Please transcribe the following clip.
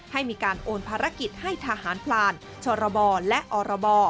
ให้มีการโอนภารกิจให้ทหารพลานชรบและอรบ